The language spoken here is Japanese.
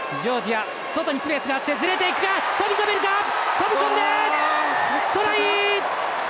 飛び込んで、トライ！